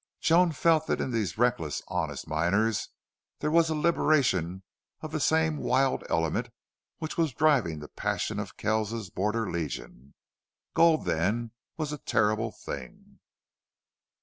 Joan felt that in these reckless, honest miners there was a liberation of the same wild element which was the driving passion of Kells's Border Legion. Gold, then, was a terrible thing.